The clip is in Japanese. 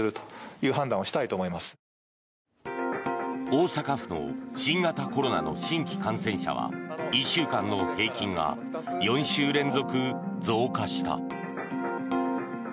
大阪府の新型コロナの新規感染者は１週間の平均が４週連続増加した。